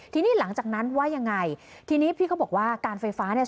ทีนี้หลังจากนั้นว่ายังไงทีนี้พี่เขาบอกว่าการไฟฟ้าเนี่ย